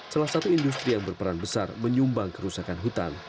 salah satu industri yang berperan besar menyumbang kerusakan hutan